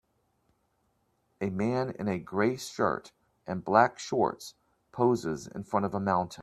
A man in a gray shirt and black shorts poses in front of a mountain.